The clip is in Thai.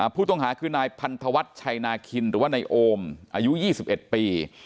ผู้ต้องหาคือนายพันธวัฒน์ชัยนาคินหรือว่านายโอมอายุ๒๑ปี